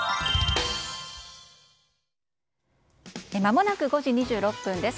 まもなく５時２６分です。